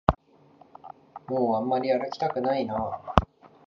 もうあんまり歩きたくないな